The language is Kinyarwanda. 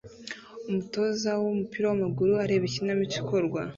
Umutoza wumupira wamaguru areba ikinamico ikorwa